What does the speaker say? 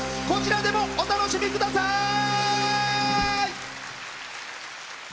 こちらでもお楽しみ下さい！